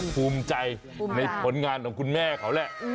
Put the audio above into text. ภูมิใจในผลงานของคุณแม่เขาแหละ